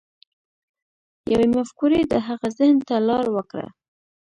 يوې مفکورې د هغه ذهن ته لار وکړه.